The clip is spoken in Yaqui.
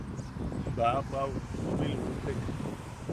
Baʼabwao jumilutek.